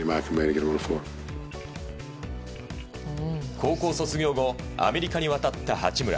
高校卒業後アメリカに渡った八村。